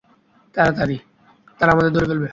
তাড়াতাড়ি, তারা আমাদের ধরে ফেলবে!